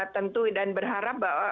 tentu dan berharap bahwa